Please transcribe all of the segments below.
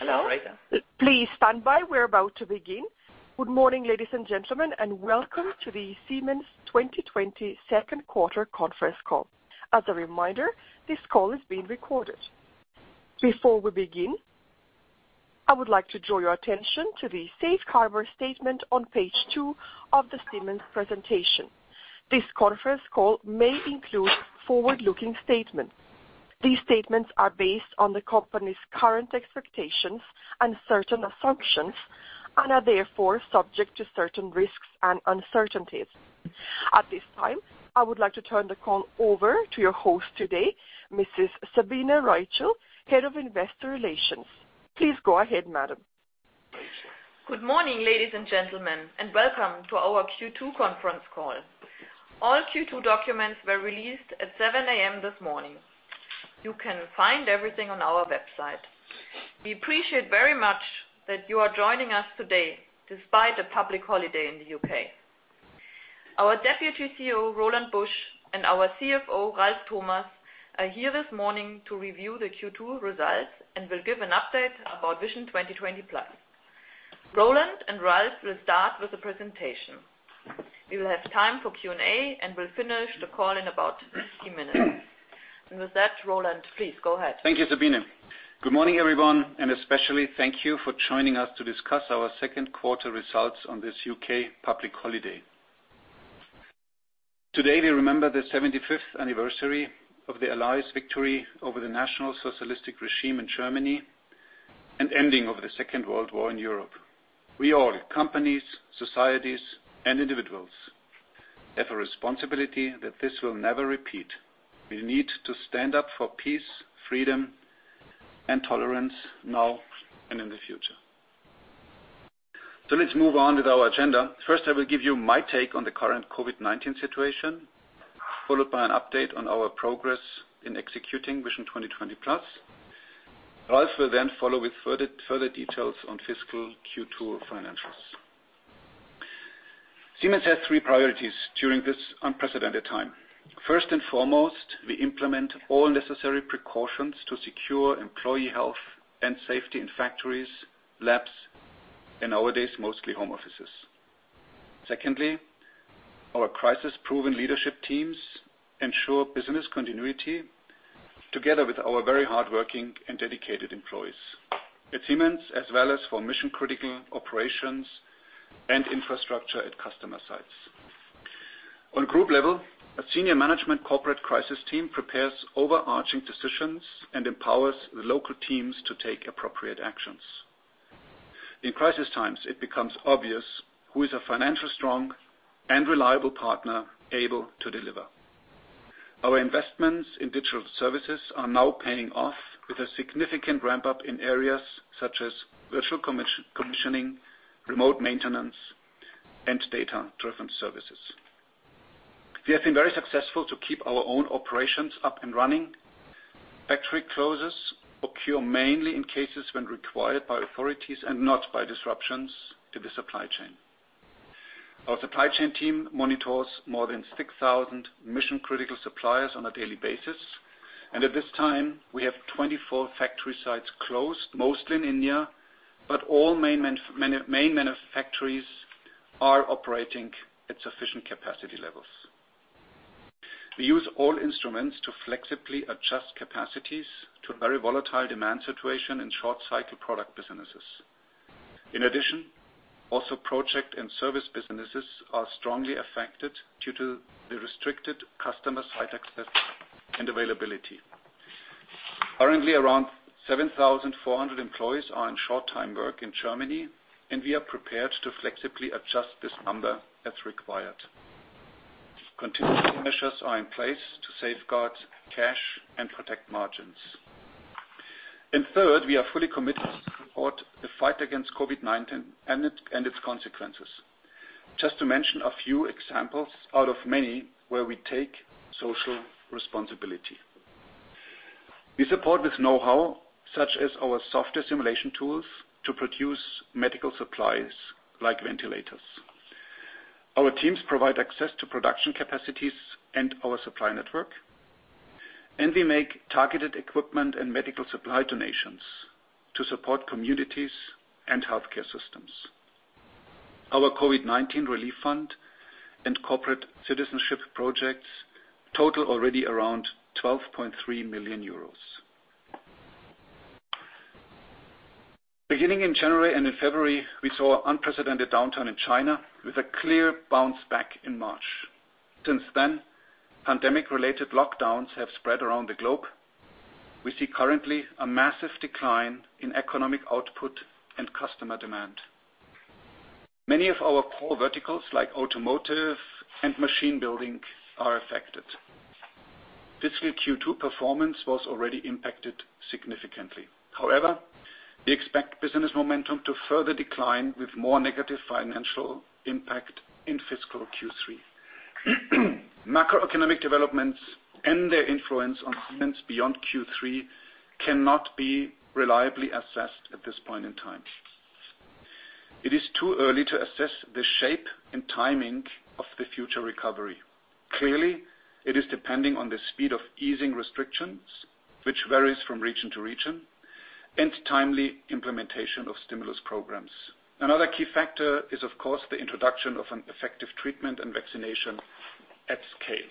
Good morning, ladies and gentlemen, and welcome to the Siemens 2020 second quarter conference call. As a reminder, this call is being recorded. Before we begin, I would like to draw your attention to the safe harbor statement on page two of the Siemens presentation. This conference call may include forward-looking statements. These statements are based on the company's current expectations and certain assumptions, and are therefore subject to certain risks and uncertainties. At this time, I would like to turn the call over to your host today, Mrs. Sabine Reichel, Head of Investor Relations. Please go ahead, madam. Good morning, ladies and gentlemen, welcome to our Q2 conference call. All Q2 documents were released at 7:00 A.M. this morning. You can find everything on our website. We appreciate very much that you are joining us today despite the public holiday in the U.K. Our Deputy CEO, Roland Busch, and our CFO, Ralf Thomas, are here this morning to review the Q2 results and will give an update about Vision 2020+. Roland and Ralf will start with the presentation. We will have time for Q&A and will finish the call in about 60 minutes. With that, Roland, please go ahead. Thank you, Sabine. Good morning, everyone, and especially thank you for joining us to discuss our second quarter results on this U.K. public holiday. Today, we remember the 75th anniversary of the Allies' victory over the National Socialist regime in Germany and ending of the Second World War in Europe. We all, companies, societies, and individuals, have a responsibility that this will never repeat. We need to stand up for peace, freedom, and tolerance now and in the future. Let's move on with our agenda. First, I will give you my take on the current COVID-19 situation, followed by an update on our progress in executing Vision 2020+. Ralf will then follow with further details on fiscal Q2 financials. Siemens has three priorities during this unprecedented time. First and foremost, we implement all necessary precautions to secure employee health and safety in factories, labs, and nowadays, mostly home offices. Secondly, our crisis-proven leadership teams ensure business continuity together with our very hardworking and dedicated employees at Siemens, as well as for mission-critical operations and infrastructure at customer sites. On group level, a senior management corporate crisis team prepares overarching decisions and empowers the local teams to take appropriate actions. In crisis times, it becomes obvious who is a financially strong and reliable partner able to deliver. Our investments in digital services are now paying off with a significant ramp-up in areas such as virtual commissioning, remote maintenance, and data-driven services. We have been very successful to keep our own operations up and running. Factory closures occur mainly in cases when required by authorities and not by disruptions to the supply chain. Our supply chain team monitors more than 6,000 mission-critical suppliers on a daily basis, and at this time, we have 24 factory sites closed, mostly in India, but all main manufactories are operating at sufficient capacity levels. We use all instruments to flexibly adjust capacities to a very volatile demand situation in short-cycle product businesses. In addition, also project and service businesses are strongly affected due to the restricted customer site access and availability. Currently, around 7,400 employees are in short-time work in Germany, and we are prepared to flexibly adjust this number as required. Continual measures are in place to safeguard cash and protect margins. Third, we are fully committed to support the fight against COVID-19 and its consequences. Just to mention a few examples out of many where we take social responsibility. We support with know-how, such as our software simulation tools, to produce medical supplies like ventilators. Our teams provide access to production capacities and our supply network, and we make targeted equipment and medical supply donations to support communities and healthcare systems. Our COVID-19 relief fund and corporate citizenship projects total already around EUR 12.3 million. Beginning in January and in February, we saw unprecedented downturn in China with a clear bounce back in March. Since then, pandemic-related lockdowns have spread around the globe. We see currently a massive decline in economic output and customer demand. Many of our core verticals, like automotive and machine building, are affected. Fiscal Q2 performance was already impacted significantly. However, we expect business momentum to further decline with more negative financial impact in fiscal Q3. Macroeconomic developments and their influence on Siemens beyond Q3 cannot be reliably assessed at this point in time. It is too early to assess the shape and timing of the future recovery. Clearly, it is depending on the speed of easing restrictions, which varies from region to region, and timely implementation of stimulus programs. Another key factor is, of course, the introduction of an effective treatment and vaccination at scale.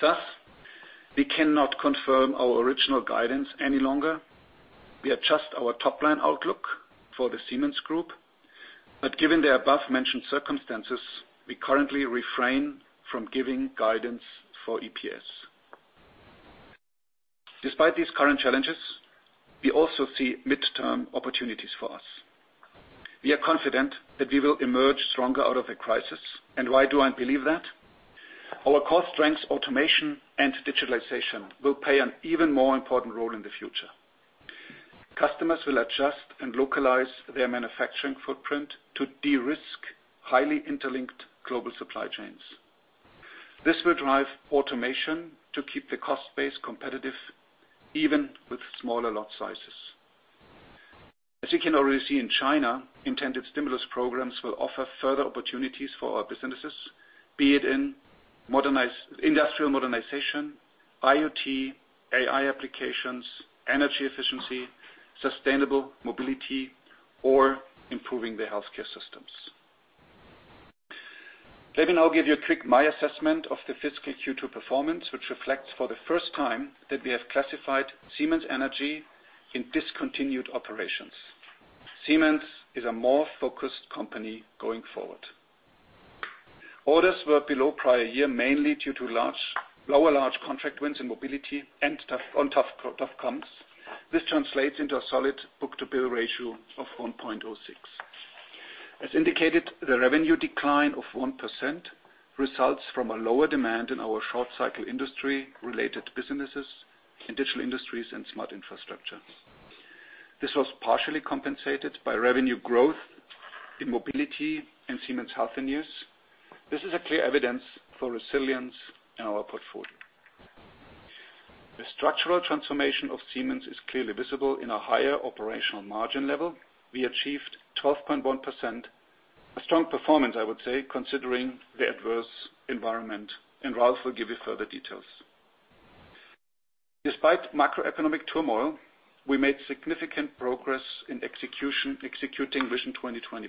Thus, we cannot confirm our original guidance any longer. We adjust our top-line outlook for the Siemens Group, but given the abovementioned circumstances, we currently refrain from giving guidance for EPS. Despite these current challenges, we also see midterm opportunities for us. We are confident that we will emerge stronger out of the crisis. Why do I believe that? Our core strengths, automation and digitalization, will play an even more important role in the future. Customers will adjust and localize their manufacturing footprint to de-risk highly interlinked global supply chains. This will drive automation to keep the cost base competitive, even with smaller lot sizes. As you can already see in China, intended stimulus programs will offer further opportunities for our businesses, be it in industrial modernization, IoT, AI applications, energy efficiency, sustainable Mobility, or improving the healthcare systems. Let me now give you a quick my assessment of the fiscal Q2 performance, which reflects for the first time that we have classified Siemens Energy in discontinued operations. Siemens is a more focused company going forward. Orders were below prior year, mainly due to lower large contract wins in Mobility and on tough comps. This translates into a solid book-to-bill ratio of 1.06. As indicated, the revenue decline of 1% results from a lower demand in our short-cycle industry-related businesses in Digital Industries and Smart Infrastructure. This was partially compensated by revenue growth in mobility and Siemens Healthineers. This is a clear evidence for resilience in our portfolio. The structural transformation of Siemens is clearly visible in a higher operational margin level. We achieved 12.1%, a strong performance, I would say, considering the adverse environment, and Ralf will give you further details. Despite macroeconomic turmoil, we made significant progress in executing Vision 2020+.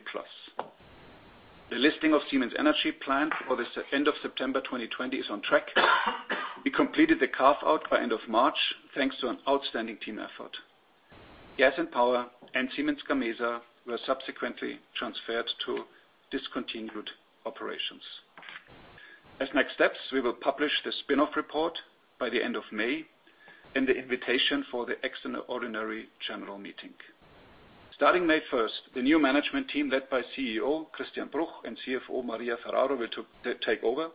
The listing of Siemens Energy planned for the end of September 2020 is on track. We completed the carve-out by end of March, thanks to an outstanding team effort. Gas and Power and Siemens Gamesa were subsequently transferred to discontinued operations. As next steps, we will publish the spin-off report by the end of May and the invitation for the extraordinary general meeting. Starting May 1st, the new management team led by CEO Christian Bruch and CFO Maria Ferraro will take over.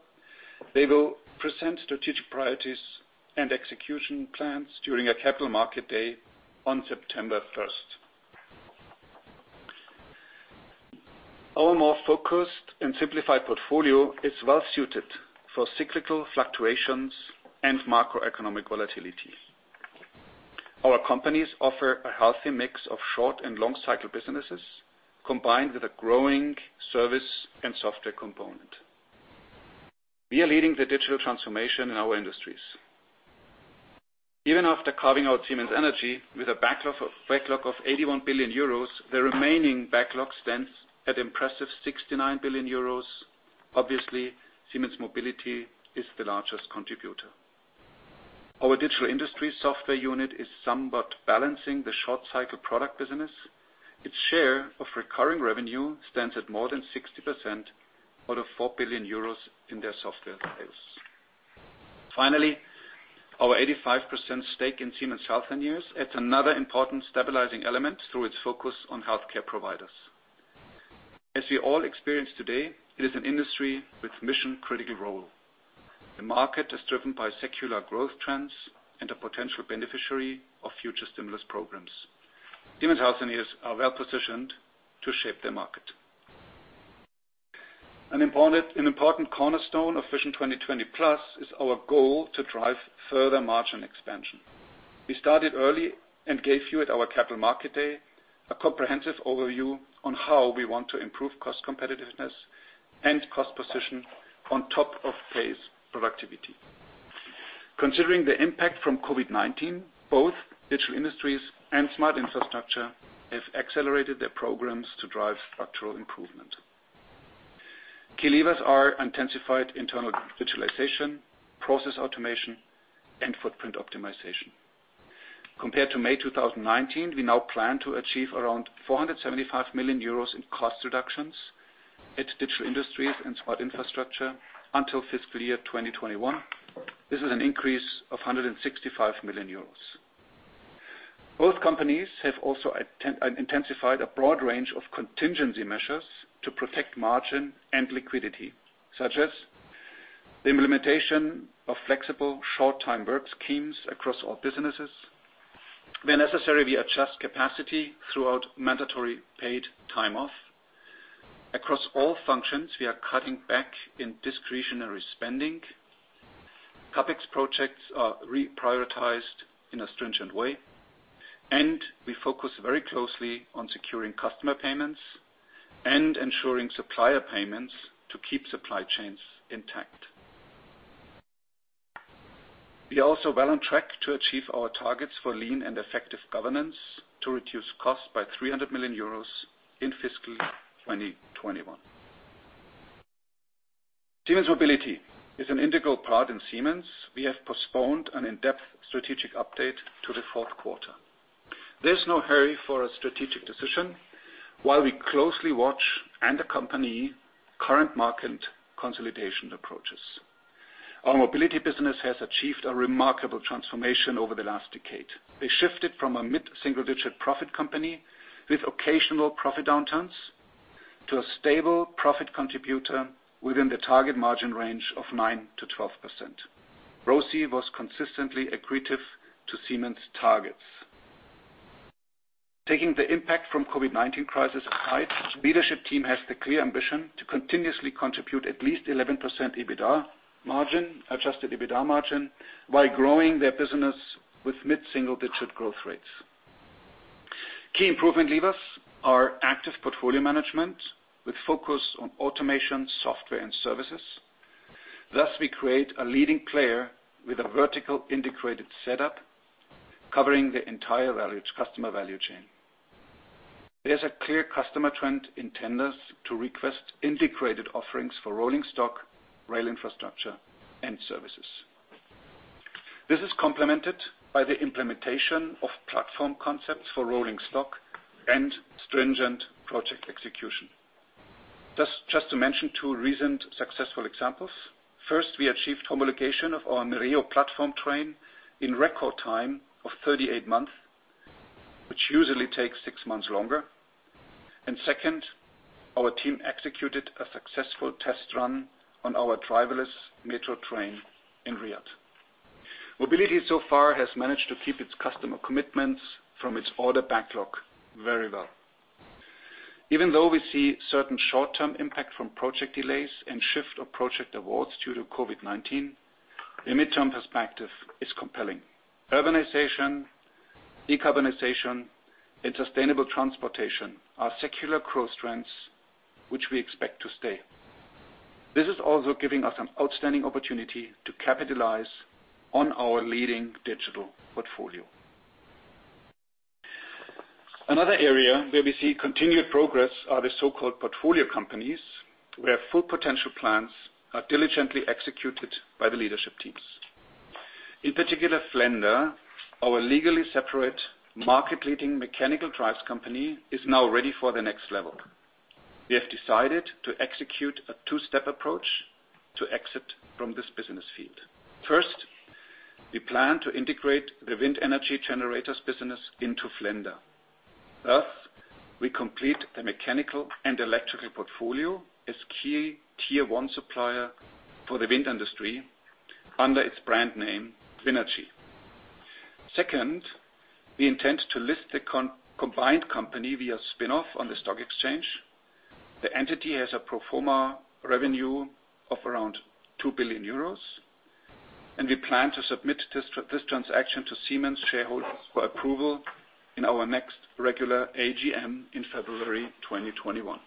They will present strategic priorities and execution plans during a Capital Market Day on September 1st. Our more focused and simplified portfolio is well-suited for cyclical fluctuations and macroeconomic volatility. Our companies offer a healthy mix of short and long cycle businesses, combined with a growing service and software component. We are leading the digital transformation in our industries. Even after carving out Siemens Energy with a backlog of 81 billion euros, the remaining backlog stands at impressive 69 billion euros. Obviously, Siemens Mobility is the largest contributor. Our Digital Industries software unit is somewhat balancing the short-cycle product business. Its share of recurring revenue stands at more than 60% out of 4 billion euros in their software sales. Finally, our 85% stake in Siemens Healthineers adds another important stabilizing element through its focus on healthcare providers. As we all experience today, it is an industry with mission-critical role. The market is driven by secular growth trends and a potential beneficiary of future stimulus programs. Siemens Healthineers are well-positioned to shape their market. An important cornerstone of Vision 2020+ is our goal to drive further margin expansion. We started early and gave you at our Capital Market Day a comprehensive overview on how we want to improve cost competitiveness and cost position on top of pace productivity. Considering the impact from COVID-19, both Digital Industries and Smart Infrastructure have accelerated their programs to drive structural improvement. Key levers are intensified internal digitalization, process automation, and footprint optimization. Compared to May 2019, we now plan to achieve around 475 million euros in cost reductions at Digital Industries and Smart Infrastructure until fiscal year 2021. This is an increase of 165 million euros. Both companies have also intensified a broad range of contingency measures to protect margin and liquidity, such as the implementation of flexible, short-time work schemes across all businesses. Where necessary, we adjust capacity throughout mandatory paid time off. Across all functions, we are cutting back in discretionary spending. CapEx projects are reprioritized in a stringent way, and we focus very closely on securing customer payments and ensuring supplier payments to keep supply chains intact. We are also well on track to achieve our targets for lean and effective governance to reduce costs by 300 million euros in fiscal 2021. Siemens Mobility is an integral part in Siemens. We have postponed an in-depth strategic update to the fourth quarter. There's no hurry for a strategic decision while we closely watch and accompany current market consolidation approaches. Our Siemens Mobility business has achieved a remarkable transformation over the last decade. We shifted from a mid-single-digit profit company with occasional profit downturns to a stable profit contributor within the target margin range of 9%-12%. ROCE was consistently accretive to Siemens' targets. Taking the impact from COVID-19 crisis aside, leadership team has the clear ambition to continuously contribute at least 11% EBITDA margin, adjusted EBITDA margin, while growing their business with mid-single-digit growth rates. Key improvement levers are active portfolio management with focus on automation, software, and services. Thus, we create a leading player with a vertical integrated setup covering the entire customer value chain. There's a clear customer trend in tenders to request integrated offerings for rolling stock, rail infrastructure, and services. This is complemented by the implementation of platform concepts for rolling stock and stringent project execution. Just to mention two recent successful examples. First, we achieved homologation of our Mireo platform train in record time of 38 months, which usually takes six months longer. Second, our team executed a successful test run on our driverless metro train in Riyadh. Mobility so far has managed to keep its customer commitments from its order backlog very well. Even though we see certain short-term impact from project delays and shift of project awards due to COVID-19, the mid-term perspective is compelling. Urbanization, decarbonization, and sustainable transportation are secular growth trends which we expect to stay. This is also giving us an outstanding opportunity to capitalize on our leading digital portfolio. Another area where we see continued progress are the so-called portfolio companies, where full potential plans are diligently executed by the leadership teams. In particular, Flender, our legally separate market-leading mechanical drives company, is now ready for the next level. We have decided to execute a two-step approach to exit from this business field. First, we plan to integrate the wind energy generators business into Flender. Thus, we complete the mechanical and electrical portfolio as key tier 1 supplier for the wind industry under its brand name, Winergy. Second, we intend to list the combined company via spinoff on the stock exchange. The entity has a pro forma revenue of around 2 billion euros, and we plan to submit this transaction to Siemens shareholders for approval in our next regular AGM in February 2021.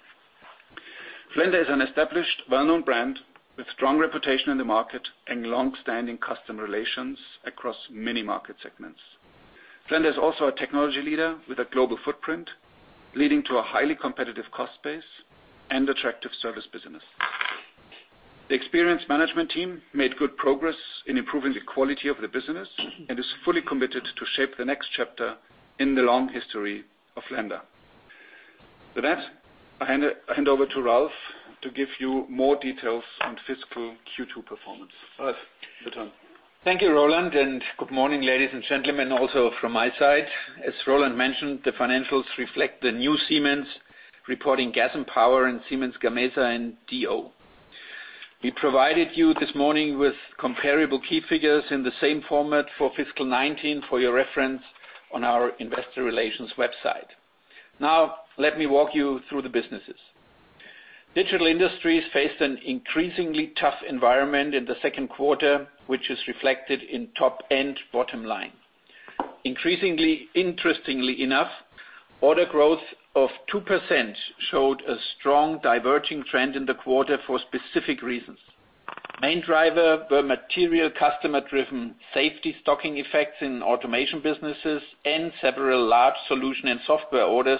Flender is an established, well-known brand with strong reputation in the market and long-standing customer relations across many market segments. Flender is also a technology leader with a global footprint, leading to a highly competitive cost base and attractive service business. The experienced management team made good progress in improving the quality of the business and is fully committed to shape the next chapter in the long history of Flender. With that, I hand over to Ralf to give you more details on fiscal Q2 performance. Ralf, your turn. Thank you, Roland. Good morning, ladies and gentlemen, also from my side. As Roland mentioned, the financials reflect the new Siemens reporting Gas and Power and Siemens Gamesa in DO. We provided you this morning with comparable key figures in the same format for fiscal 2019 for your reference on our investor relations website. Let me walk you through the businesses. Digital Industries faced an increasingly tough environment in the second quarter, which is reflected in top and bottom line. Interestingly enough, order growth of 2% showed a strong diverging trend in the quarter for specific reasons. Main driver were material customer-driven safety stocking effects in automation businesses and several large solution and software orders,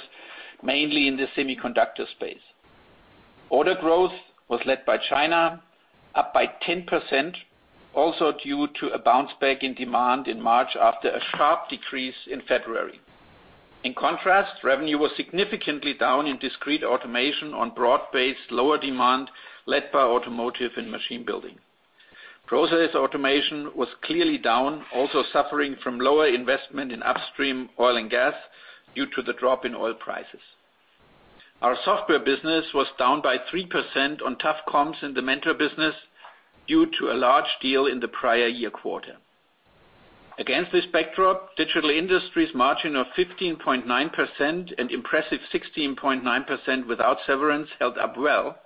mainly in the semiconductor space. Order growth was led by China, up by 10%, also due to a bounce back in demand in March after a sharp decrease in February. In contrast, revenue was significantly down in discrete automation on broad-based lower demand led by automotive and machine building. Process automation was clearly down, also suffering from lower investment in upstream oil and gas due to the drop in oil prices. Our software business was down by 3% on tough comps in the Mentor business due to a large deal in the prior year quarter. Against this backdrop, Digital Industries' margin of 15.9% and impressive 16.9% without severance held up well,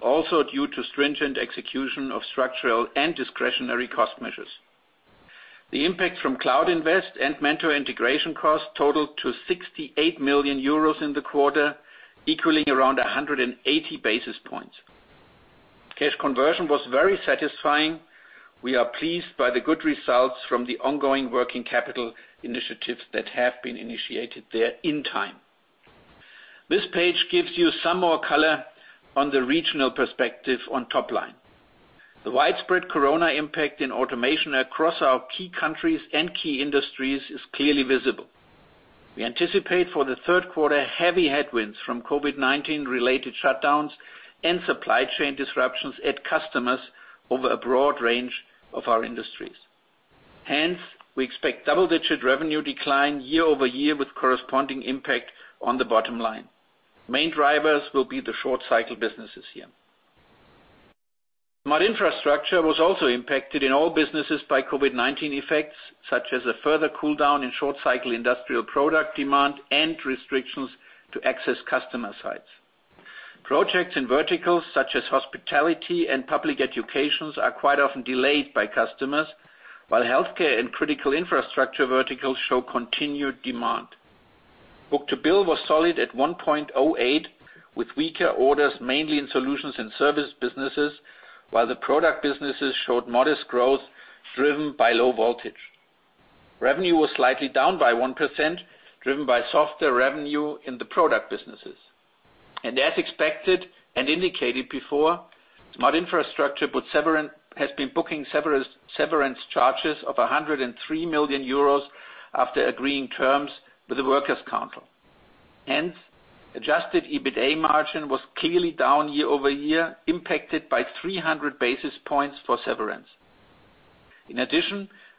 also due to stringent execution of structural and discretionary cost measures. The impact from cloud invest and Mentor integration costs totaled to 68 million euros in the quarter, equaling around 180 basis points. Cash conversion was very satisfying. We are pleased by the good results from the ongoing working capital initiatives that have been initiated there in time. This page gives you some more color on the regional perspective on top line. The widespread corona impact in automation across our key countries and key industries is clearly visible. We anticipate for the third quarter, heavy headwinds from COVID-19-related shutdowns and supply chain disruptions at customers over a broad range of our industries. Hence, we expect double-digit revenue decline year-over-year with corresponding impact on the bottom line. Main drivers will be the short cycle businesses here. Smart Infrastructure was also impacted in all businesses by COVID-19 effects, such as a further cooldown in short cycle industrial product demand and restrictions to access customer sites. Projects in verticals such as hospitality and public educations are quite often delayed by customers, while healthcare and critical infrastructure verticals show continued demand. Book-to-bill was solid at 1.08, with weaker orders mainly in solutions and service businesses, while the product businesses showed modest growth driven by low voltage. Revenue was slightly down by 1%, driven by softer revenue in the product businesses. As expected and indicated before, Smart Infrastructure has been booking severance charges of 103 million euros after agreeing terms with the workers' council. Adjusted EBITDA margin was clearly down year-over-year, impacted by 300 basis points for severance.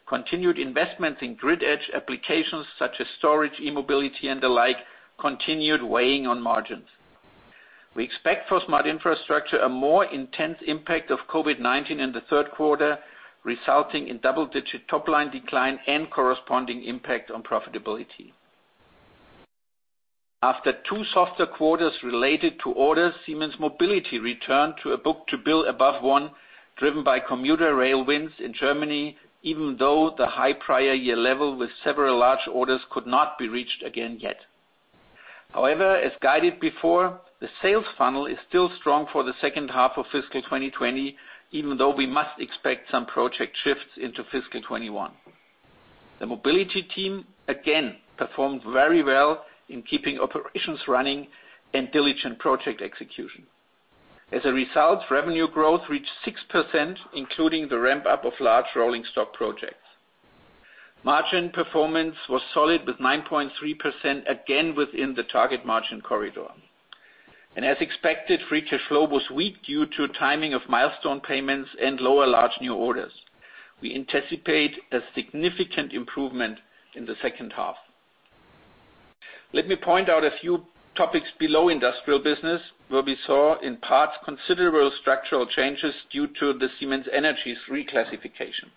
Continued investments in grid edge applications such as storage, e-mobility and the like, continued weighing on margins. We expect for Smart Infrastructure, a more intense impact of COVID-19 in the third quarter, resulting in double-digit top-line decline and corresponding impact on profitability. After two softer quarters related to orders, Siemens Mobility returned to a book-to-bill above one driven by commuter rail wins in Germany, even though the high prior year level with several large orders could not be reached again yet. However, as guided before, the sales funnel is still strong for the second half of fiscal 2020, even though we must expect some project shifts into fiscal 2021. The mobility team again performed very well in keeping operations running and diligent project execution. As a result, revenue growth reached 6%, including the ramp-up of large rolling stock projects. Margin performance was solid with 9.3%, again within the target margin corridor. As expected, free cash flow was weak due to timing of milestone payments and lower large new orders. We anticipate a significant improvement in the second half. Let me point out a few topics below industrial business, where we saw, in parts, considerable structural changes due to the Siemens Energy's reclassification.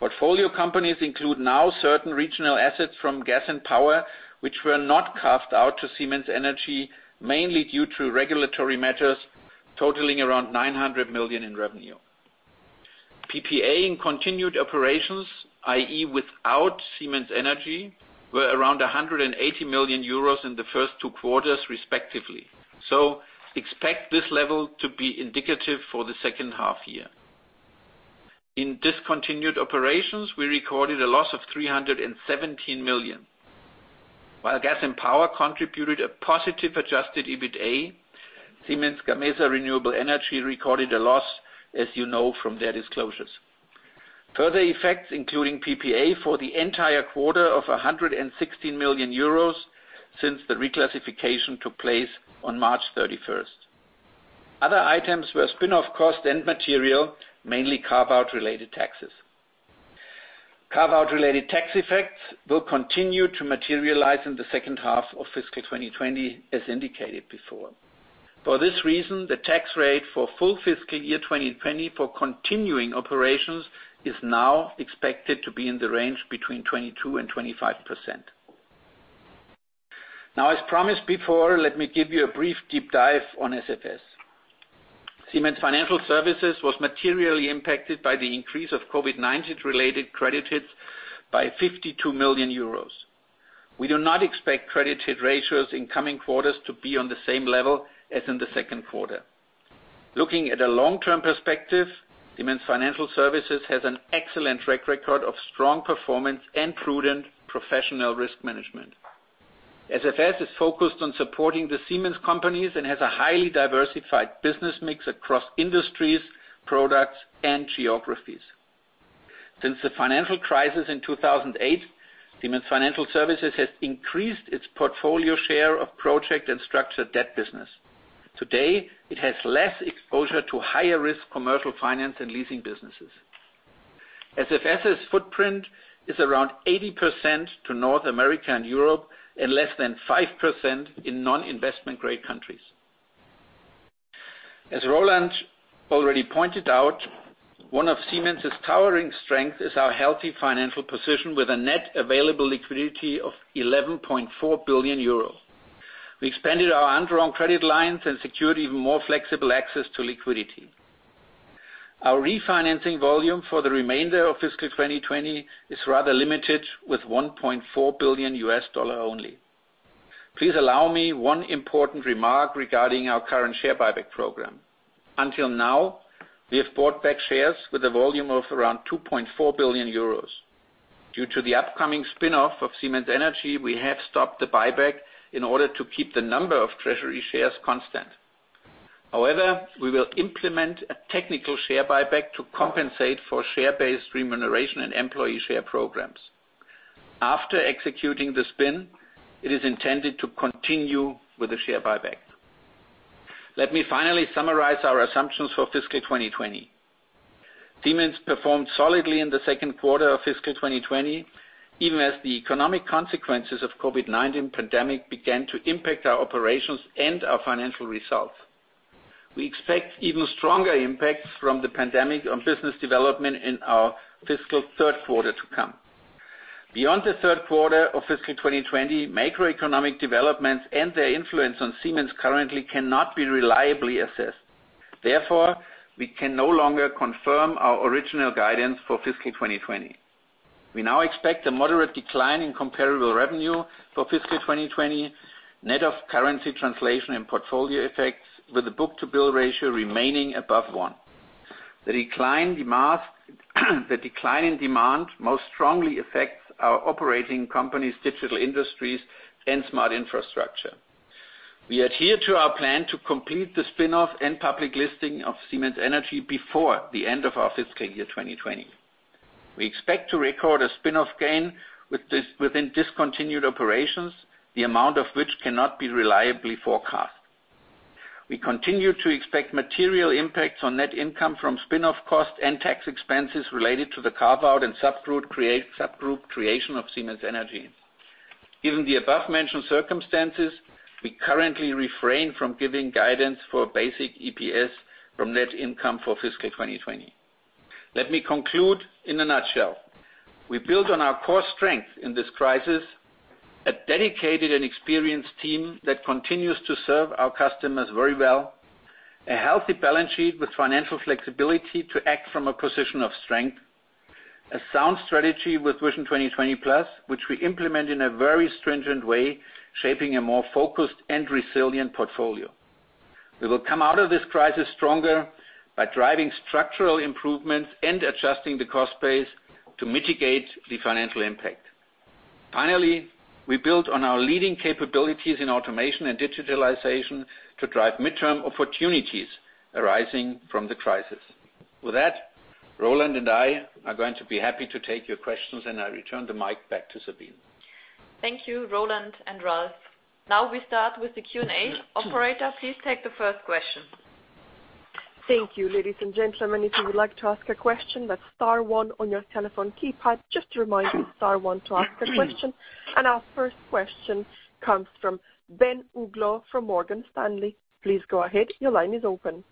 Portfolio companies include now certain regional assets from Gas and Power, which were not carved out to Siemens Energy, mainly due to regulatory matters totaling around 900 million in revenue. PPA in continued operations, i.e., without Siemens Energy, were around 180 million euros in the first two quarters, respectively. Expect this level to be indicative for the second half year. In discontinued operations, we recorded a loss of 317 million. While Gas and Power contributed a positive adjusted EBITDA, Siemens Gamesa Renewable Energy recorded a loss, as you know from their disclosures. Further effects, including PPA for the entire quarter of 116 million euros since the reclassification took place on March 31st. Other items were spin-off cost and material, mainly carve-out related taxes. Carve-out related tax effects will continue to materialize in the second half of fiscal 2020, as indicated before. For this reason, the tax rate for full fiscal year 2020 for continuing operations is now expected to be in the range between 22% and 25%. As promised before, let me give you a brief deep dive on SFS. Siemens Financial Services was materially impacted by the increase of COVID-19 related credit hits by 52 million euros. We do not expect credit hit ratios in coming quarters to be on the same level as in the second quarter. Looking at a long-term perspective, Siemens Financial Services has an excellent track record of strong performance and prudent professional risk management. SFS is focused on supporting the Siemens companies and has a highly diversified business mix across industries, products, and geographies. Since the financial crisis in 2008, Siemens Financial Services has increased its portfolio share of project and structured debt business. Today, it has less exposure to higher risk commercial finance and leasing businesses. SFS' footprint is around 80% to North America and Europe, and less than 5% in non-investment-grade countries. As Roland already pointed out, one of Siemens' towering strength is our healthy financial position with a net available liquidity of 11.4 billion euros. We expanded our undrawn credit lines and secured even more flexible access to liquidity. Our refinancing volume for the remainder of fiscal 2020 is rather limited, with $1.4 billion only. Please allow me one important remark regarding our current share buyback program. Until now, we have bought back shares with a volume of around 2.4 billion euros. Due to the upcoming spin-off of Siemens Energy, we have stopped the buyback in order to keep the number of treasury shares constant. However, we will implement a technical share buyback to compensate for share-based remuneration and employee share programs. After executing the spin, it is intended to continue with the share buyback. Let me finally summarize our assumptions for fiscal 2020. Siemens performed solidly in the second quarter of fiscal 2020, even as the economic consequences of COVID-19 pandemic began to impact our operations and our financial results. We expect even stronger impacts from the pandemic on business development in our fiscal third quarter to come. Beyond the third quarter of fiscal 2020, macroeconomic developments and their influence on Siemens currently cannot be reliably assessed. Therefore, we can no longer confirm our original guidance for fiscal 2020. We now expect a moderate decline in comparable revenue for fiscal 2020, net of currency translation and portfolio effects, with a book-to-bill ratio remaining above one. The decline in demand most strongly affects our operating companies, Digital Industries and Smart Infrastructure. We adhere to our plan to complete the spin-off and public listing of Siemens Energy before the end of our fiscal year 2020. We expect to record a spin-off gain within discontinued operations, the amount of which cannot be reliably forecast. We continue to expect material impacts on net income from spin-off costs and tax expenses related to the carve-out and subgroup creation of Siemens Energy. Given the above mentioned circumstances, we currently refrain from giving guidance for basic EPS from net income for fiscal 2020. Let me conclude in a nutshell. We build on our core strength in this crisis, a dedicated and experienced team that continues to serve our customers very well, a healthy balance sheet with financial flexibility to act from a position of strength, a sound strategy with Vision 2020+, which we implement in a very stringent way, shaping a more focused and resilient portfolio. We will come out of this crisis stronger by driving structural improvements and adjusting the cost base to mitigate the financial impact. Finally, we build on our leading capabilities in automation and digitalization to drive midterm opportunities arising from the crisis. With that, Roland and I are going to be happy to take your questions, I return the mic back to Sabine. Thank you, Roland and Ralf. We start with the Q&A. Operator, please take the first question. Thank you. Ladies and gentlemen, if you would like to ask a question, that's star one on your telephone keypad. Just to remind you, star one to ask a question. Our first question comes from Ben Uglow from Morgan Stanley. Please go ahead. Your line is open.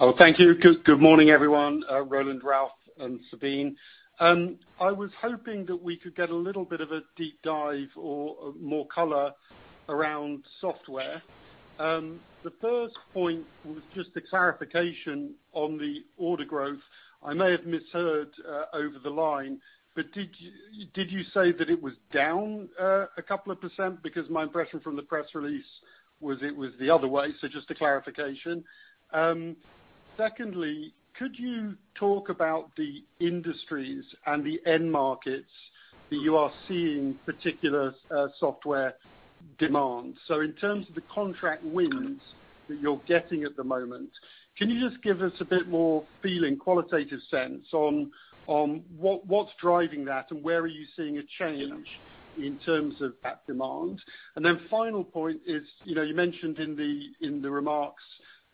Oh, thank you. Good morning, everyone, Roland, Ralf, and Sabine. I was hoping that we could get a little bit of a deep dive or more color around software. The first point was just a clarification on the order growth. I may have misheard over the line, but did you say that it was down a couple of percent? Because my impression from the press release was it was the other way. Just a clarification. Secondly, could you talk about the industries and the end markets that you are seeing particular software demand? In terms of the contract wins that you're getting at the moment, can you just give us a bit more feeling, qualitative sense, on what's driving that and where are you seeing a change in terms of that demand? Final point is, you mentioned in the remarks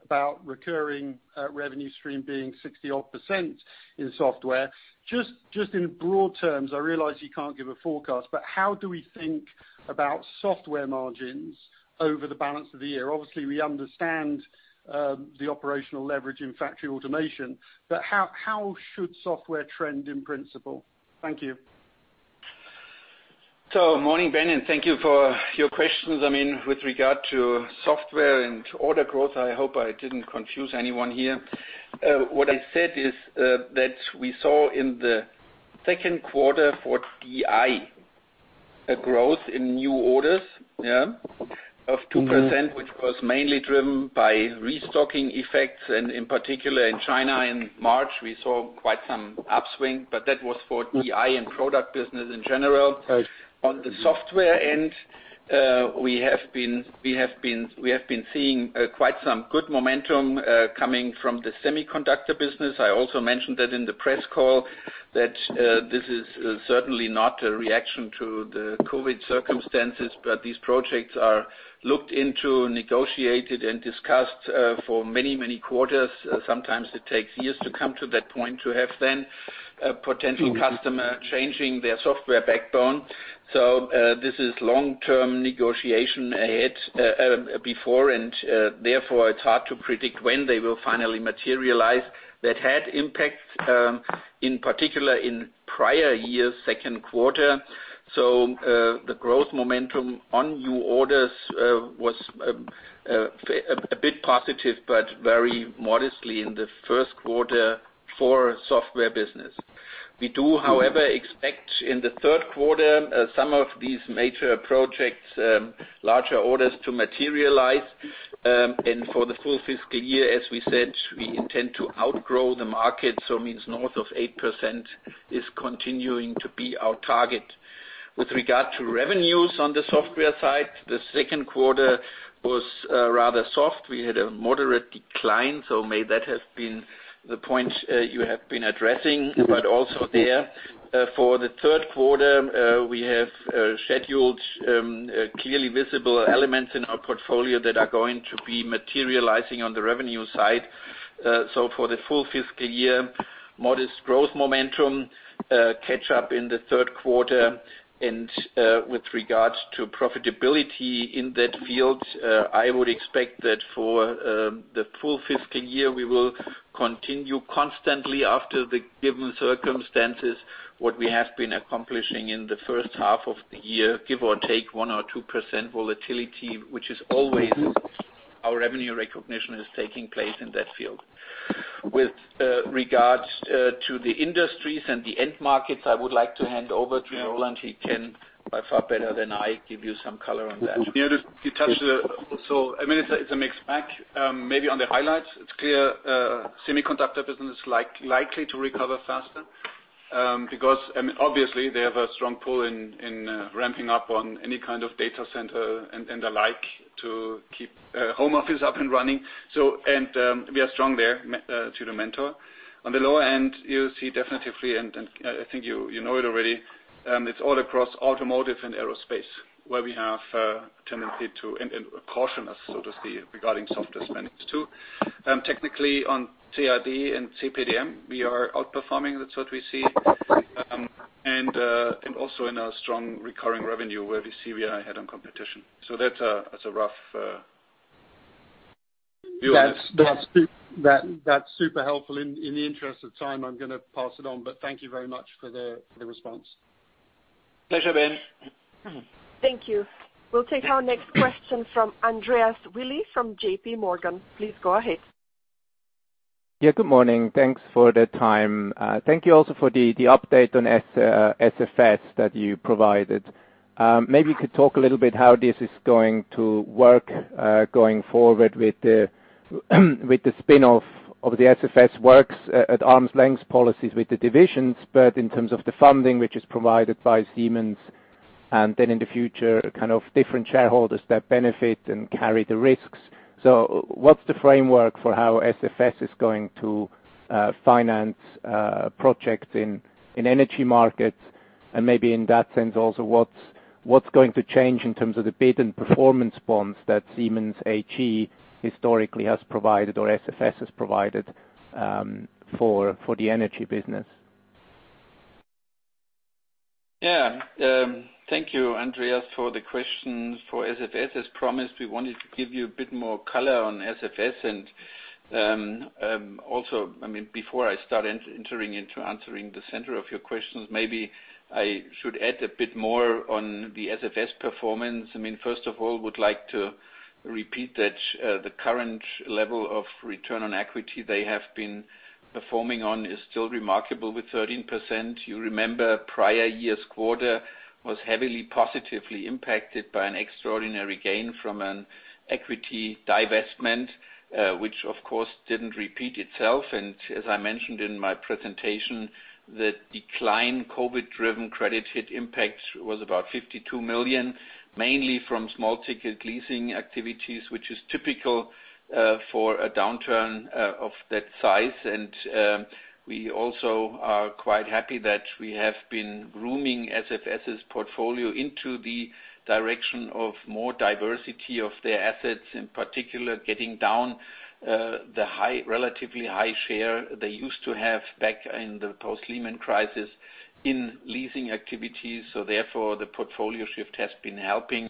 about recurring revenue stream being 60-odd percent in software. Just in broad terms, I realize you can't give a forecast, but how do we think about software margins over the balance of the year? Obviously, we understand the operational leverage in factory automation, but how should software trend in principle? Thank you. Morning, Ben, and thank you for your questions. With regard to software and order growth, I hope I didn't confuse anyone here. What I said is that we saw in the second quarter for DI, a growth in new orders of 2%, which was mainly driven by restocking effects, and in particular in China in March, we saw quite some upswing, but that was for DI and product business in general. Right. On the software end, we have been seeing quite some good momentum coming from the semiconductor business. I also mentioned that in the press call, that this is certainly not a reaction to the COVID circumstances, but these projects are looked into, negotiated, and discussed for many quarters. Sometimes it takes years to come to that point to have then a potential customer changing their software backbone. This is long-term negotiation ahead before, therefore it's hard to predict when they will finally materialize. That had impact, in particular in prior year's second quarter. The growth momentum on new orders was a bit positive, but very modestly in the first quarter for software business. We do, however, expect in the third quarter, some of these major projects, larger orders to materialize. For the full fiscal year, as we said, we intend to outgrow the market, means north of 8% is continuing to be our target. With regard to revenues on the software side, the second quarter was rather soft. We had a moderate decline, may that have been the point you have been addressing. Also there, for the third quarter, we have scheduled clearly visible elements in our portfolio that are going to be materializing on the revenue side. For the full fiscal year, modest growth momentum, catch up in the third quarter. With regards to profitability in that field, I would expect that for the full fiscal year, we will continue constantly after the given circumstances, what we have been accomplishing in the first half of the year, give or take 1% or 2% volatility, which is always our revenue recognition is taking place in that field. With regards to the industries and the end markets, I would like to hand over to Roland. He can by far better than I give you some color on that. Yeah, you touched, it's a mixed bag. Maybe on the highlights, it's clear semiconductor business likely to recover faster. Obviously they have a strong pull in ramping up on any kind of data center and the like to keep home offices up and running. We are strong there, Mentor. On the low end, you see definitively, I think you know it already, it's all across automotive and aerospace where we have a tendency to, caution us to see regarding software spending too. Technically on CID and cPDm, we are outperforming. That's what we see. Also in our strong recurring revenue where we see we are ahead on competition. That's a rough view on it. That's super helpful. In the interest of time, I'm going to pass it on, but thank you very much for the response. Pleasure, Ben. Thank you. We'll take our next question from Andreas Willi from JPMorgan. Please go ahead. Yeah, good morning. Thanks for the time. Thank you also for the update on SFS that you provided. Maybe you could talk a little bit how this is going to work, going forward with the spinoff of the SFS works at arm's length policies with the divisions, but in terms of the funding which is provided by Siemens, and then in the future, kind of different shareholders that benefit and carry the risks. What's the framework for how SFS is going to finance projects in energy markets? Maybe in that sense also what's going to change in terms of the bid and performance bonds that Siemens AG historically has provided or SFS has provided for the energy business? Thank you, Andreas, for the questions for SFS. As promised, we wanted to give you a bit more color on SFS. Also, before I start entering into answering the center of your questions, maybe I should add a bit more on the SFS performance. First of all, would like to repeat that the current level of return on equity they have been performing on is still remarkable with 13%. You remember prior year's quarter was heavily positively impacted by an extraordinary gain from an equity divestment, which of course didn't repeat itself. As I mentioned in my presentation, the decline COVID-driven credit hit impact was about 52 million, mainly from small ticket leasing activities, which is typical for a downturn of that size. We also are quite happy that we have been grooming SFS's portfolio into the direction of more diversity of their assets, in particular, getting down the relatively high share they used to have back in the post-Lehman crisis in leasing activities. Therefore, the portfolio shift has been helping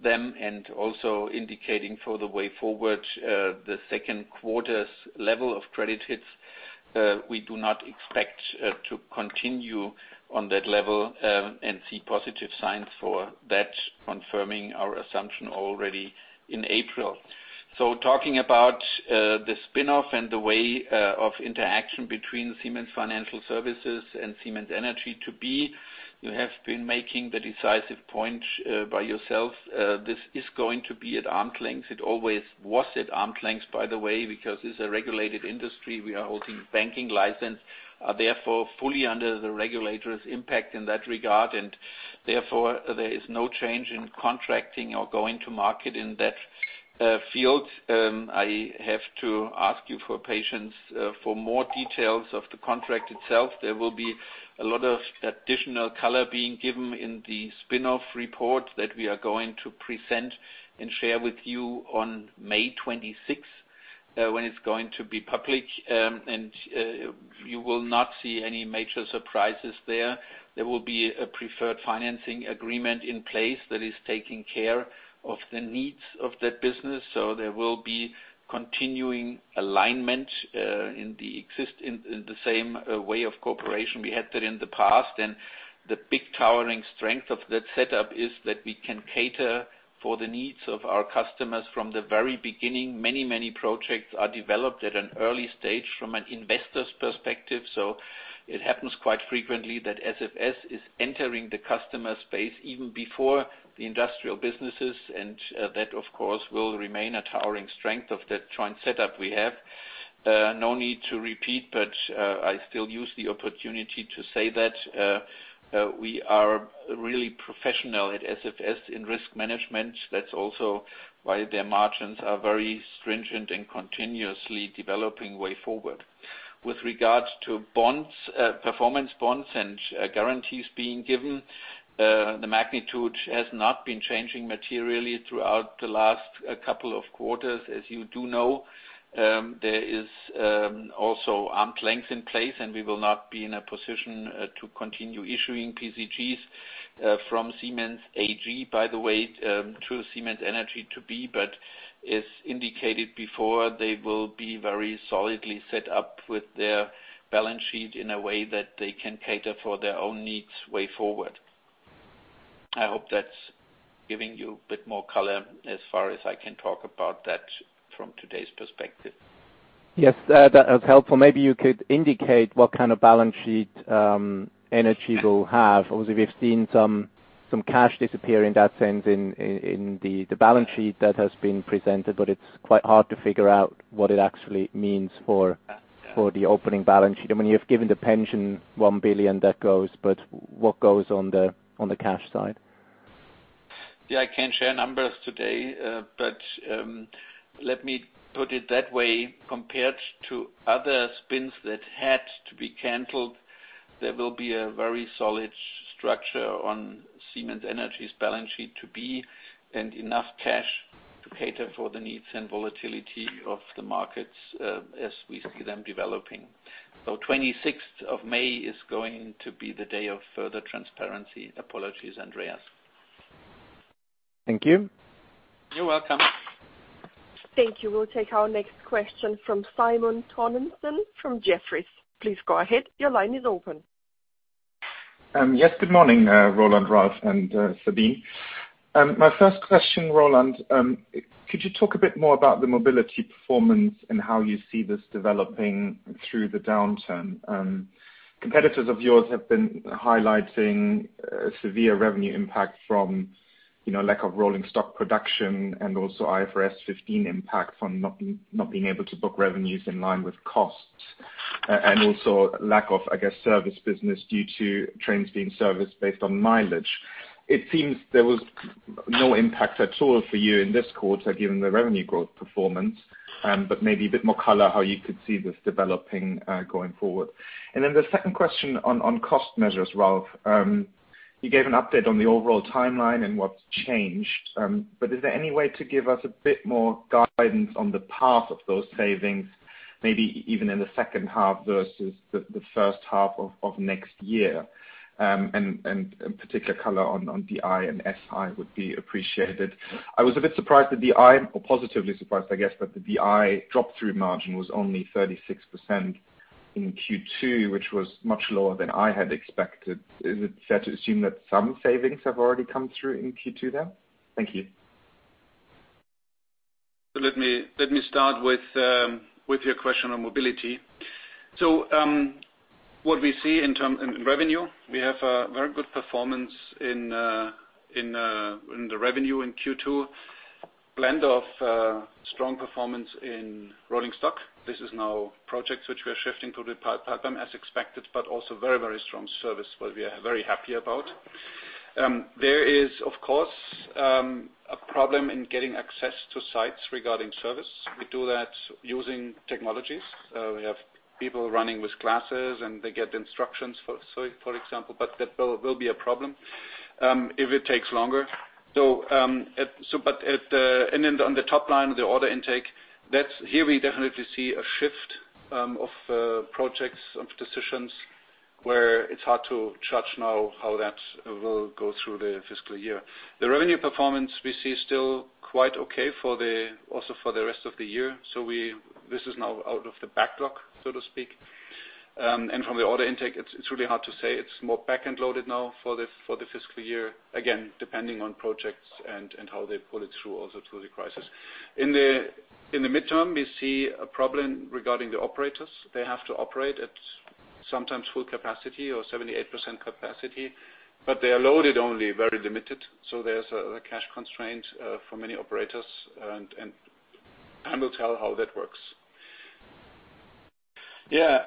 them and also indicating for the way forward, the second quarter's level of credit hits, we do not expect to continue on that level, and see positive signs for that, confirming our assumption already in April. Talking about the spinoff and the way of interaction between Siemens Financial Services and Siemens Energy-to-be, you have been making the decisive point by yourself. This is going to be at arm's length. It always was at arm's length, by the way, because it's a regulated industry. We are holding banking license, therefore fully under the regulators' impact in that regard. Therefore, there is no change in contracting or going to market in that field. I have to ask you for patience for more details of the contract itself. There will be a lot of additional color being given in the spin-off report that we are going to present and share with you on May 26th, when it's going to be public. You will not see any major surprises there. There will be a preferred financing agreement in place that is taking care of the needs of that business. There will be continuing alignment in the same way of cooperation we had that in the past. The big towering strength of that setup is that we can cater for the needs of our customers from the very beginning. Many projects are developed at an early stage from an investor's perspectiv. It happens quite frequently that SFS is entering the customer space even before the industrial businesses, and that, of course, will remain a towering strength of that joint setup we have. No need to repeat, but I still use the opportunity to say that we are really professional at SFS in risk management. That's also why their margins are very stringent and continuously developing way forward. With regards to performance bonds and guarantees being given, the magnitude has not been changing materially throughout the last couple of quarters. As you do know, there is also arm's length in place. We will not be in a position to continue issuing PCGs from Siemens AG, by the way, to Siemens Energy to be. As indicated before, they will be very solidly set up with their balance sheet in a way that they can cater for their own needs way forward. I hope that's giving you a bit more color as far as I can talk about that from today's perspective. Yes, that was helpful. Maybe you could indicate what kind of balance sheet Siemens Energy will have. We've seen some cash disappear in that sense in the balance sheet that has been presented, but it's quite hard to figure out what it actually means for the opening balance sheet. You have given the pension 1 billion that goes, but what goes on the cash side? Yeah, I can't share numbers today, but let me put it that way, compared to other spins that had to be canceled, there will be a very solid structure on Siemens Energy's balance sheet to be, and enough cash to cater for the needs and volatility of the markets as we see them developing. 26th of May is going to be the day of further transparency. Apologies, Andreas. Thank you. You're welcome. Thank you. We'll take our next question from Simon Toennessen from Jefferies. Please go ahead. Your line is open. Good morning, Roland, Ralf, and Sabine. My first question, Roland, could you talk a bit more about the Siemens Mobility performance and how you see this developing through the downturn? Competitors of yours have been highlighting a severe revenue impact from lack of rolling stock production and also IFRS 15 impact from not being able to book revenues in line with costs. Also lack of, I guess, service business due to trains being serviced based on mileage. It seems there was no impact at all for you in this quarter, given the revenue growth performance, but maybe a bit more color how you could see this developing going forward. Then the second question on cost measures, Ralf. You gave an update on the overall timeline and what's changed. Is there any way to give us a bit more guidance on the path of those savings, maybe even in the second half versus the first half of next year? Particular color on DI and SI would be appreciated. I was a bit surprised that DI, or positively surprised, I guess, that the DI drop-through margin was only 36% in Q2, which was much lower than I had expected. Is it fair to assume that some savings have already come through in Q2 then? Thank you. Let me start with your question on Siemens Mobility. What we see in revenue, we have a very good performance in the revenue in Q2. Blend of strong performance in rolling stock. This is now projects which we are shifting to the pipe as expected, but also very strong service what we are very happy about. There is, of course, a problem in getting access to sites regarding service. We do that using technologies. We have people running with glasses, and they get instructions, for example, but that will be a problem if it takes longer. On the top line, the order intake, here we definitely see a shift of projects, of decisions where it's hard to judge now how that will go through the fiscal year. The revenue performance we see is still quite okay also for the rest of the year. This is now out of the backlog, so to speak. From the order intake, it's really hard to say. It's more back-end loaded now for the fiscal year, again, depending on projects and how they pull it through also through the crisis. In the midterm, we see a problem regarding the operators. They have to operate at sometimes full capacity or 78% capacity, but they are loaded only very limited. There's a cash constraint for many operators, and time will tell how that works. Yeah.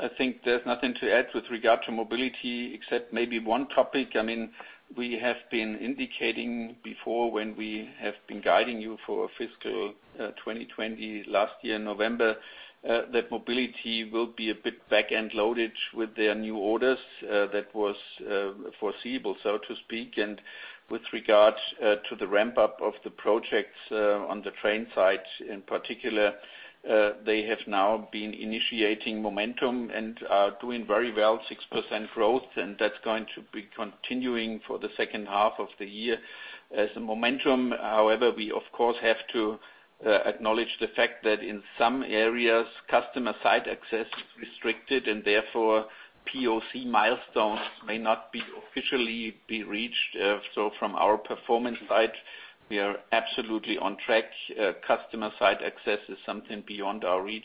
I think there's nothing to add with regard to mobility except maybe one topic. We have been indicating before when we have been guiding you for fiscal 2020 last year, November, that mobility will be a bit back-end loaded with their new orders. That was foreseeable, so to speak. With regards to the ramp-up of the projects on the train side in particular, they have now been initiating momentum and are doing very well, 6% growth, and that's going to be continuing for the second half of the year as a momentum. However, we of course have to acknowledge the fact that in some areas, customer site access is restricted, and therefore POC milestones may not officially be reached. From our performance side, we are absolutely on track. Customer site access is something beyond our reach,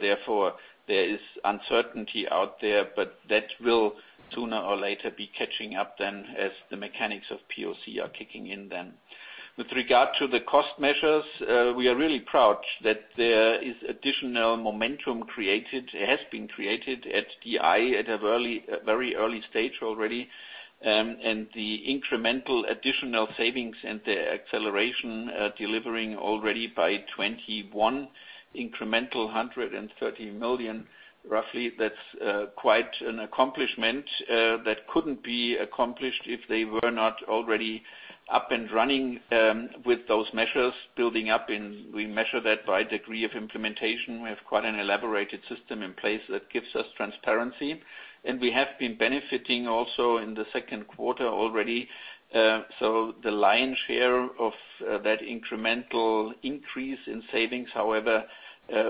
therefore there is uncertainty out there, but that will sooner or later be catching up then as the mechanics of POC are kicking in then. With regard to the cost measures, we are really proud that there is additional momentum created. It has been created at DI at a very early stage already. The incremental additional savings and the acceleration delivering already by 2021 incremental 130 million, roughly. That's quite an accomplishment that couldn't be accomplished if they were not already up and running with those measures building up, and we measure that by degree of implementation. We have quite an elaborated system in place that gives us transparency, and we have been benefiting also in the second quarter already. The lion's share of that incremental increase in savings, however,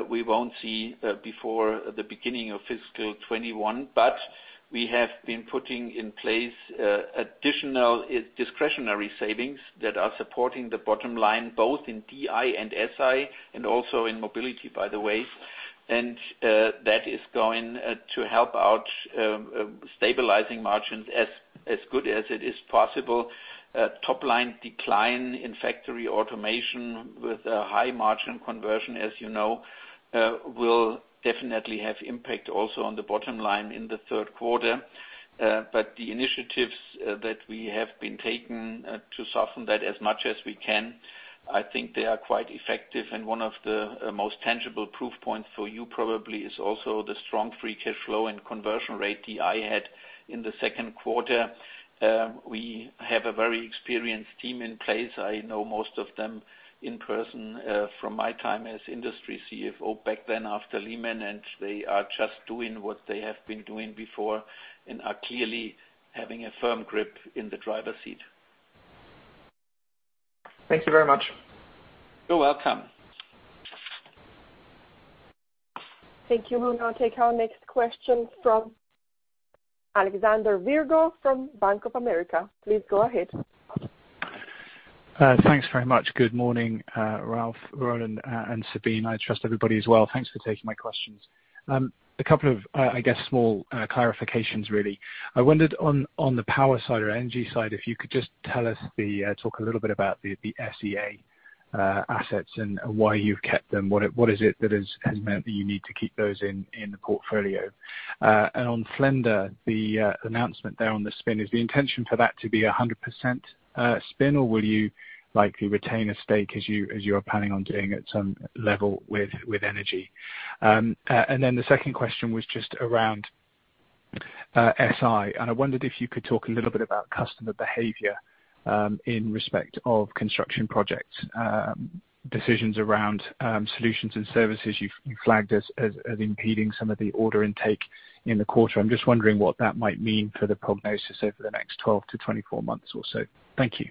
we won't see before the beginning of fiscal 2021. We have been putting in place additional discretionary savings that are supporting the bottom line, both in DI and SI, and also in Mobility, by the way. That is going to help out stabilizing margins as good as it is possible. Top line decline in factory automation with a high margin conversion, as you know, will definitely have impact also on the bottom line in the third quarter. The initiatives that we have been taking to soften that as much as we can, I think they are quite effective. One of the most tangible proof points for you probably is also the strong free cash flow and conversion rate DI had in the second quarter. We have a very experienced team in place. I know most of them in person from my time as industry CFO back then after Lehman, and they are just doing what they have been doing before and are clearly having a firm grip in the driver's seat. Thank you very much. You're welcome. Thank you. We'll now take our next question from Alexander Virgo from Bank of America. Please go ahead. Thanks very much. Good morning, Ralf, Roland, and Sabine. I trust everybody is well. Thanks for taking my questions. A couple of, I guess, small clarifications, really. I wondered on the power side or energy side, if you could just talk a little bit about the Subsea assets and why you've kept them. What is it that has meant that you need to keep those in the portfolio? On Flender, the announcement there on the spin, is the intention for that to be 100% spin, or will you likely retain a stake as you are planning on doing at some level with Energy? The second question was just around SI, and I wondered if you could talk a little bit about customer behavior in respect of construction projects, decisions around solutions and services you've flagged as impeding some of the order intake in the quarter. I'm just wondering what that might mean for the prognosis over the next 12-24 months or so. Thank you.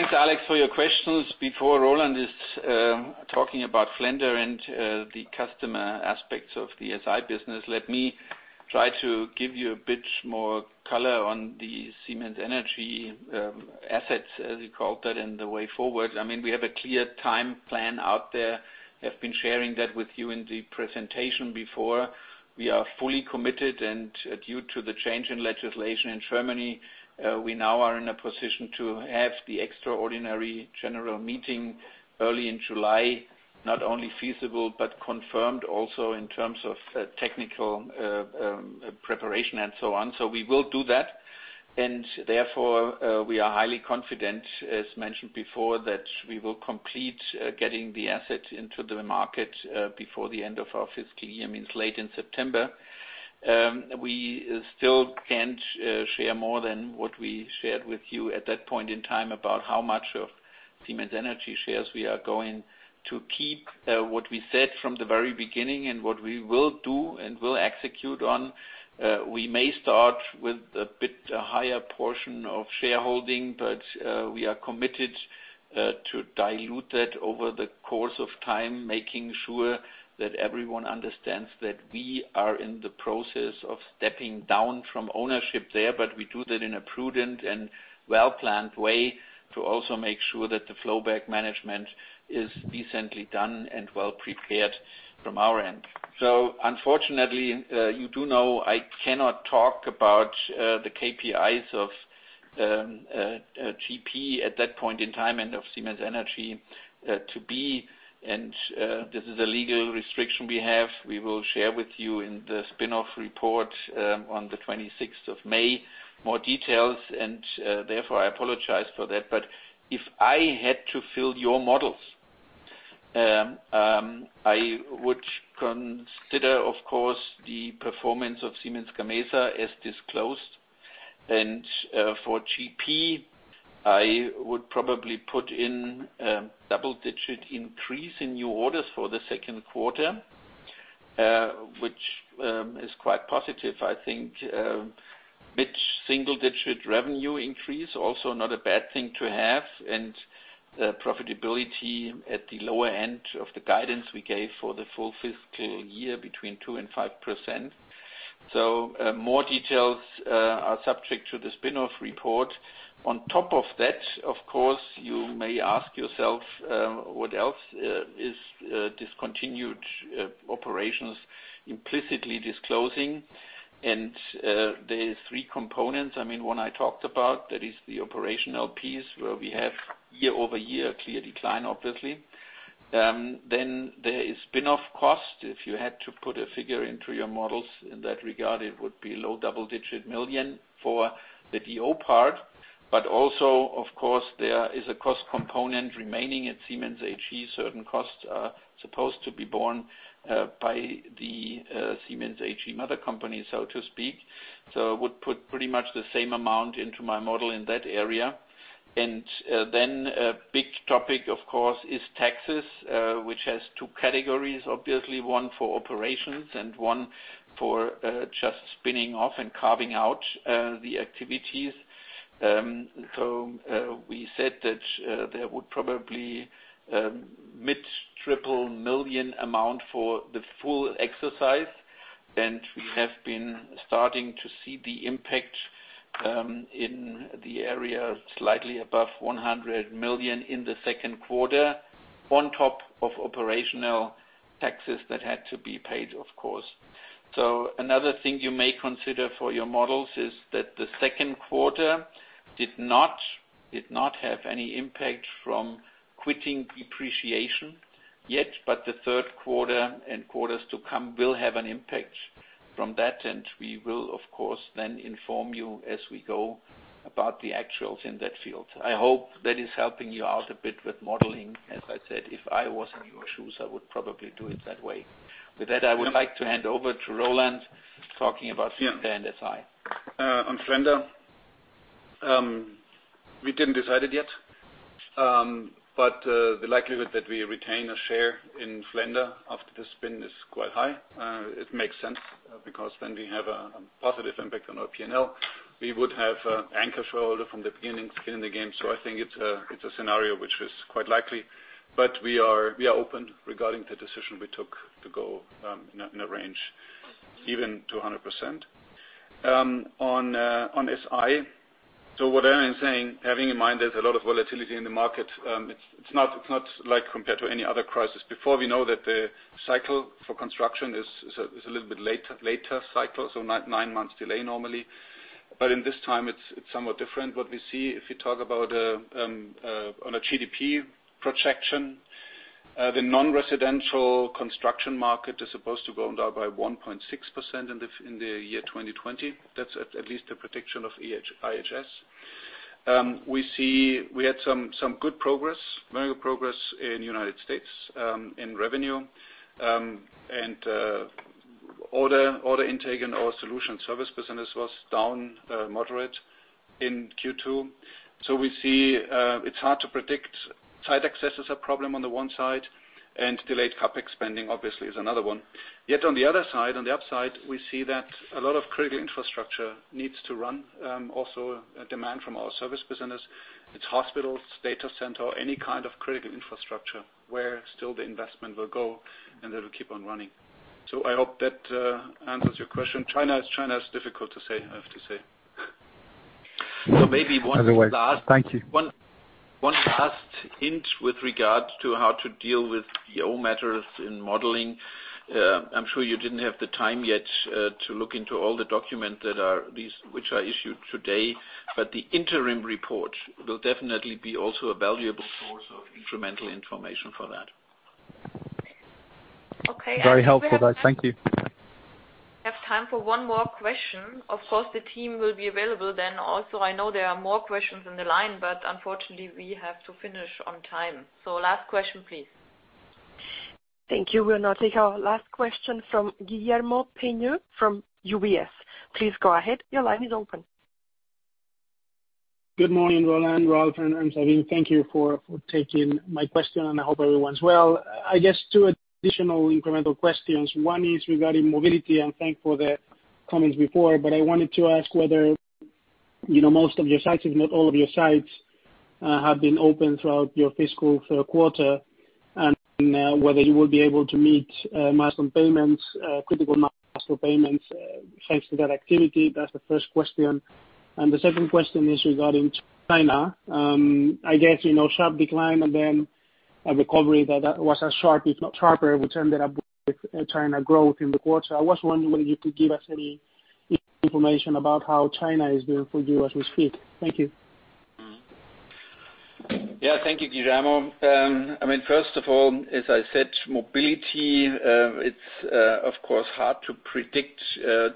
Thanks, Alex, for your questions. Before Roland is talking about Flender and the customer aspects of the SI business, let me try to give you a bit more color on the Siemens Energy assets, as you called it, and the way forward. We have a clear time plan out there, have been sharing that with you in the presentation before. We are fully committed, and due to the change in legislation in Germany, we now are in a position to have the extraordinary general meeting early in July, not only feasible but confirmed also in terms of technical preparation and so on. We will do that, and therefore we are highly confident, as mentioned before, that we will complete getting the asset into the market before the end of our fiscal year, means late in September. We still can't share more than what we shared with you at that point in time about how much of Siemens Energy shares we are going to keep. What we said from the very beginning and what we will do and will execute on, we may start with a bit higher portion of shareholding, but we are committed to dilute that over the course of time, making sure that everyone understands that we are in the process of stepping down from ownership there, but we do that in a prudent and well-planned way to also make sure that the flowback management is decently done and well prepared from our end. Unfortunately, you do know I cannot talk about the KPIs of GP at that point in time and of Siemens Energy to be, and this is a legal restriction we have. We will share with you in the spin-off report on the 26th of May more details. Therefore, I apologize for that. If I had to fill your models, I would consider, of course, the performance of Siemens Gamesa as disclosed. For GP, I would probably put in a double-digit increase in new orders for the second quarter, which is quite positive. I think mid-single-digit revenue increase, also not a bad thing to have. Profitability at the lower end of the guidance we gave for the full fiscal year, between 2% and 5%. More details are subject to the spin-off report. On top of that, of course, you may ask yourself what else is discontinued operations implicitly disclosing. There is three components. One I talked about, that is the operational piece where we have year-over-year clear decline, obviously. There is spin-off cost. If you had to put a figure into your models in that regard, it would be low double-digit million for the VO part. Also of course, there is a cost component remaining at Siemens AG. Certain costs are supposed to be borne by the Siemens AG mother company, so to speak. I would put pretty much the same amount into my model in that area. A big topic, of course, is taxes, which has two categories. Obviously, one for operations and one for just spinning off and carving out the activities. We said that there would probably mid-triple million amount for the full exercise. We have been starting to see the impact in the area slightly above 100 million in the second quarter on top of operational taxes that had to be paid, of course. Another thing you may consider for your models is that the second quarter did not have any impact from quitting depreciation yet, but the third quarter and quarters to come will have an impact from that. We will, of course, then inform you as we go about the actuals in that field. I hope that is helping you out a bit with modeling. As I said, if I was in your shoes, I would probably do it that way. With that, I would like to hand over to Roland talking about Flender and SI. On Flender, we didn't decide it yet. The likelihood that we retain a share in Flender after the spin is quite high. It makes sense because then we have a positive impact on our P&L. We would have an anchor shareholder from the beginning, skin in the game. I think it's a scenario which is quite likely. We are open regarding the decision we took to go in a range even to 100%. On SI, what i am saying, having in mind there's a lot of volatility in the market. It's not like compared to any other crisis. Before we know that the cycle for construction is a little bit later cycle, nine months delay normally. In this time it's somewhat different. What we see if you talk about on a GDP projection, the non-residential construction market is supposed to go down by 1.6% in the year 2020. That's at least the prediction of IHS. We had some good progress, very good progress in the U.S. in revenue. Order intake in our solution service business was down moderate in Q2. We see it's hard to predict. Site access is a problem on the one side, and delayed CapEx spending obviously is another one. Yet on the other side, on the upside, we see that a lot of critical infrastructure needs to run. Also a demand from our service business. It's hospitals, data center, any kind of critical infrastructure where still the investment will go and it'll keep on running. I hope that answers your question. China is difficult to say, I have to say. So maybe one last- Thank you. One last hint with regards to how to deal with VO matters in modeling. I'm sure you didn't have the time yet to look into all the documents which are issued today, the interim report will definitely be also a valuable source of incremental information for that. Very helpful though. Thank you. We have time for one more question. Of course, the team will be available then also I know there are more questions in the line, but unfortunately we have to finish on time. Last question, please. Thank you. We'll now take our last question from Guillermo Peigneux from UBS. Please go ahead. Your line is open. Good morning, Roland, Ralf, and Sabine. Thank you for taking my question. I hope everyone's well. I guess two additional incremental questions. One is regarding mobility, and thanks for the comments before, but I wanted to ask whether most of your sites, if not all of your sites, have been open throughout your fiscal third quarter, and whether you will be able to meet critical milestone payments thanks to that activity? That's the first question. The second question is regarding China. I guess, sharp decline and then a recovery that was as sharp, if not sharper, which ended up with China growth in the quarter. I was wondering whether you could give us any information about how China is doing for you as we speak. Thank you. Yeah. Thank you, Guillermo. First of all, as I said, Mobility, it's of course hard to predict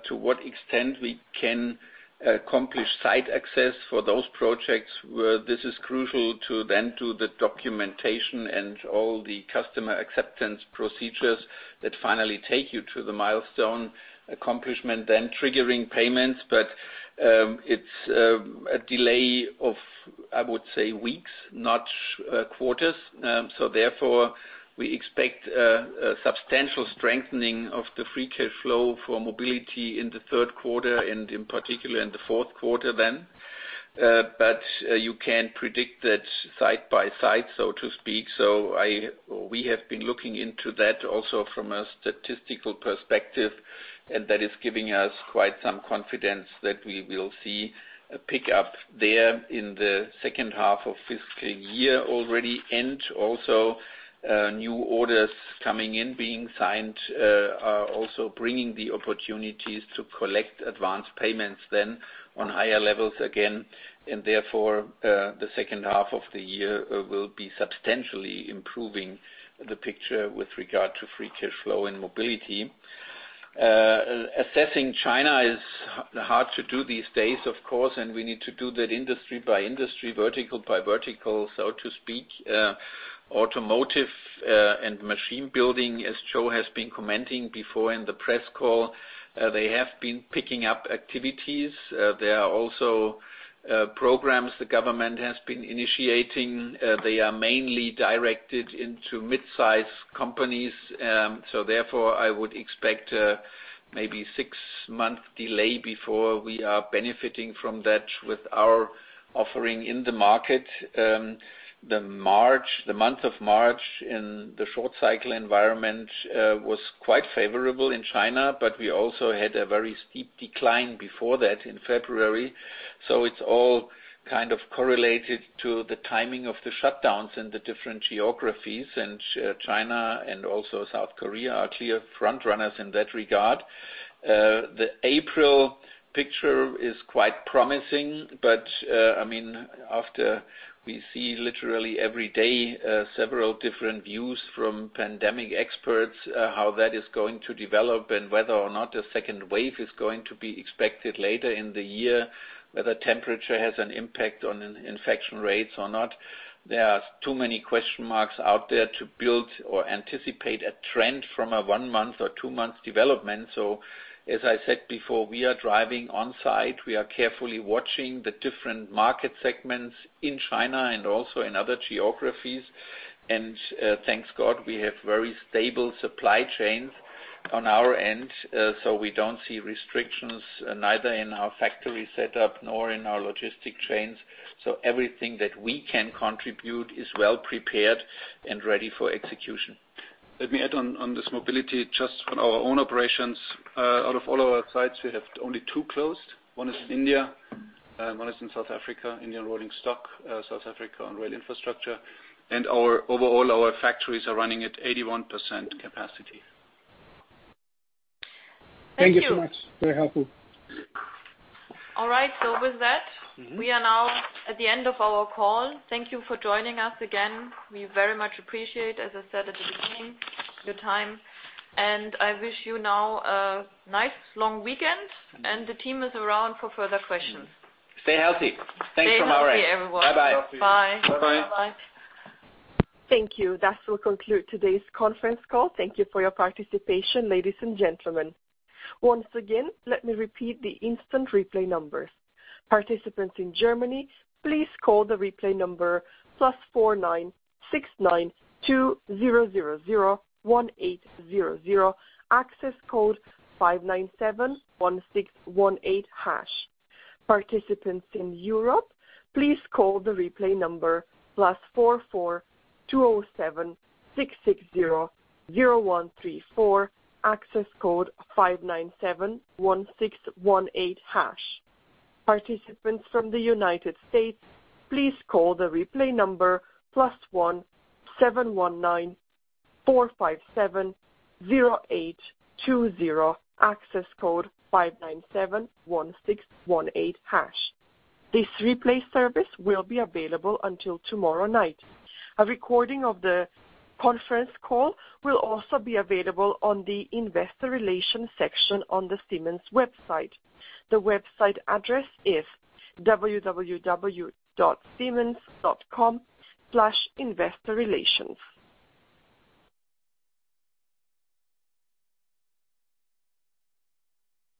to what extent we can accomplish site access for those projects. This is crucial then to the documentation and all the customer acceptance procedures that finally take you to the milestone accomplishment, then triggering payments. It's a delay of, I would say, weeks, not quarters. Therefore, we expect a substantial strengthening of the free cash flow for Mobility in the third quarter and in particular in the fourth quarter then. You can predict that site by site, so to speak. We have been looking into that also from a statistical perspective, and that is giving us quite some confidence that we will see a pickup there in the second half of fiscal year already. Also new orders coming in, being signed, are also bringing the opportunities to collect advanced payments then on higher levels again, and therefore, the second half of the year will be substantially improving the picture with regard to free cash flow and mobility. Assessing China is hard to do these days, of course, and we need to do that industry by industry, vertical by vertical, so to speak. Automotive and machine building, as Joe has been commenting before in the press call, they have been picking up activities. There are also programs the government has been initiating. They are mainly directed into mid-size companies. Therefore, I would expect maybe six-month delay before we are benefiting from that with our offering in the market. The month of March in the short cycle environment was quite favorable in China, but we also had a very steep decline before that in February. It's all kind of correlated to the timing of the shutdowns in the different geographies. China and also South Korea are clear front runners in that regard. The April picture is quite promising, but after we see literally every day several different views from pandemic experts, how that is going to develop and whether or not a second wave is going to be expected later in the year, whether temperature has an impact on infection rates or not. There are too many question marks out there to build or anticipate a trend from a one month or two months development. As I said before, we are driving on-site. We are carefully watching the different market segments in China and also in other geographies. Thanks God, we have very stable supply chains on our end, so we don't see restrictions neither in our factory setup nor in our logistic chains. Everything that we can contribute is well prepared and ready for execution. Let me add on this Mobility, just from our own operations. Out of all our sites, we have only two closed. One is in India and one is in South Africa. India, rolling stock, South Africa on rail infrastructure. Overall, our factories are running at 81% capacity. Thank you so much. Very helpful. All right. With that, we are now at the end of our call. Thank you for joining us again. We very much appreciate, as I said at the beginning, your time. I wish you now a nice long weekend, and the team is around for further questions. Stay healthy. Thanks from our end. Stay healthy, everyone. Bye-bye. Thank you. That will conclude today's conference call. Thank you for your participation, ladies and gentlemen. Once again, let me repeat the instant replay numbers. Participants in Germany, please call the replay number +496920001800, access code 5971618#. Participants in Europe, please call the replay number +442076600134, access code 5971618#. Participants from the United States, please call the replay number +17194570820, access code 5971618#. This replay service will be available until tomorrow night. A recording of the conference call will also be available on the Investor Relations section on the Siemens website. The website address is www.siemens.com/investorrelations.